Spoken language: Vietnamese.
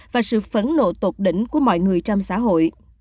và sự phẫn nộ tột đỉnh của mọi người trong xã hội